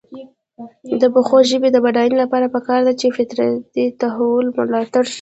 د پښتو ژبې د بډاینې لپاره پکار ده چې فطري تحول ملاتړ شي.